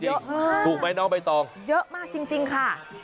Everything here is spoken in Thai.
อ้าตรงไปนอกไปต่อเยอะมากจริงจริงค่ะ